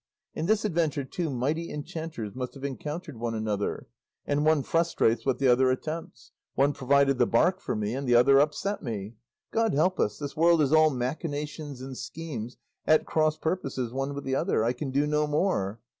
In this adventure two mighty enchanters must have encountered one another, and one frustrates what the other attempts; one provided the bark for me, and the other upset me; God help us, this world is all machinations and schemes at cross purposes one with the other. I can do no more."